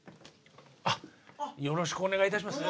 あっよろしくお願いいたします。